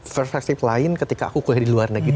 perspektif lain ketika aku kuliah di luar negeri